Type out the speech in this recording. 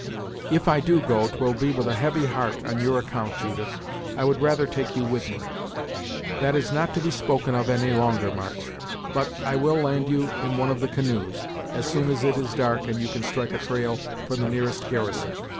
"If I do go, 'twill be with a heavy heart on your account, Judith; I would rather take you with me." "That is not to be spoken of any longer, March; but, I will land you in one of the canoes, as soon as it is dark and you can strike a trail for the nearest garrison.